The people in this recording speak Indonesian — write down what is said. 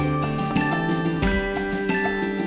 udah married sama mbak erina